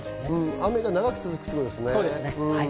雨が長く続くということですね。